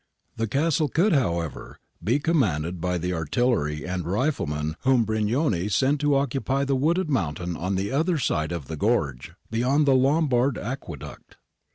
The castle could, however, be commanded by the artille y and rifle men whom Brignone sent to occupy the wooded moun tain on the other side of the gorge, beyond the Lombard aqueduct.